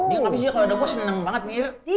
iya tapi sih kalo ada gua seneng banget gigi